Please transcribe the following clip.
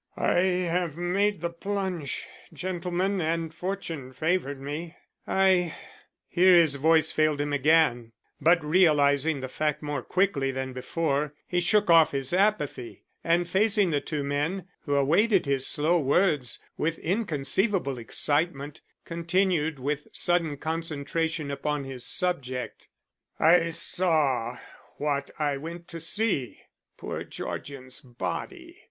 "I have made the plunge, gentlemen, and fortune favored me. I " here his voice failed him again, but realizing the fact more quickly than before, he shook off his apathy, and facing the two men, who awaited his slow words with inconceivable excitement, continued with sudden concentration upon his subject, "I saw what I went to see poor Georgian's body.